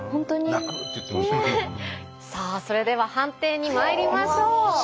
さあそれでは判定にまいりましょう。